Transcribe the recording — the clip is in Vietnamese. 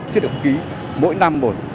chất lượng khí mỗi năm bộ